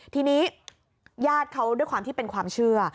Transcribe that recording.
ทีนี้ญาติเขาด้วยความที่เป็นความเชื่อ